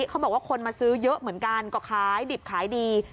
เขาบอกว่าคนมาซื้อเยอะเหมือนกันก็ขายดิบขายดี